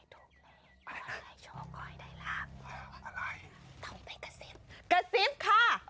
ต้องไปกระซิบค่ะ